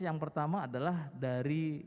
yang pertama adalah dari